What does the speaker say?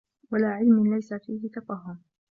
وَلَا عِلْمٍ لَيْسَ فِيهِ تَفَهُّمٌ